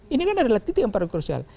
ini kan adalah titik yang paling krusial